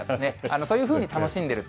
そういうふうに楽しんでいると。